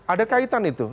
ada kaitan itu